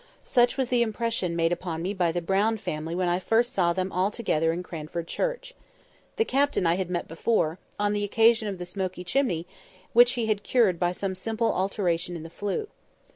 Such was the impression made upon me by the Brown family when I first saw them all together in Cranford Church. The Captain I had met before—on the occasion of the smoky chimney, which he had cured by some simple alteration in the flue.